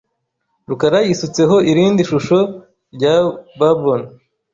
rukarayisutseho irindi shusho rya bourbon.